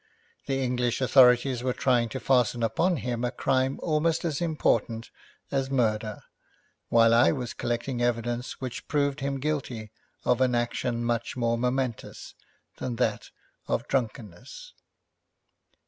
The English authorities were trying to fasten upon him a crime almost as important as murder, while I was collecting evidence which proved him guilty of an action much more momentous than that of drunkenness.